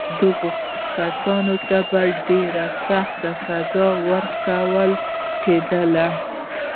دې کسانو ته به ډېره سخته سزا ورکول کېدله.